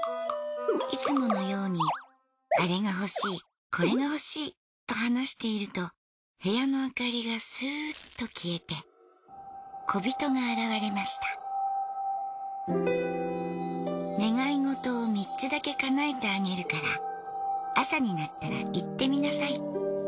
いつものようにあれが欲しいこれが欲しいと話していると部屋の明かりがスッと消えてこびとが現れました願い事を３つだけ叶えてあげるから朝になったら言ってみなさい。